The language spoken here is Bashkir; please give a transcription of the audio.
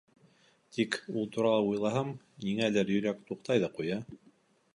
Тик, ул турала уйлаһам, ниңәлер йөрәк туҡтай ҙа ҡуя.